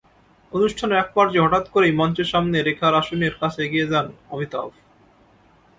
অনুষ্ঠানের একপর্যায়ে হঠাত্ করেই মঞ্চের সামনে রেখার আসনের কাছে এগিয়ে যান অমিতাভ।